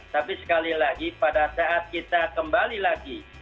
tapi sekali lagi pada saat kita kembali lagi